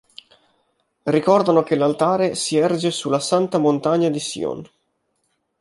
Ricordano che l'altare si erge sulla "Santa Montagna di Sion".